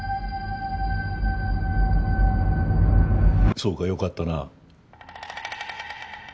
そうか良かったな。